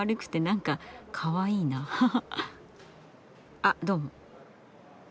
あどうも。